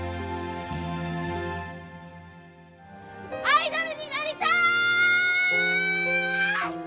アイドルになりたい！